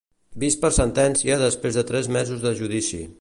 Vist per sentència després de tres mesos de judici.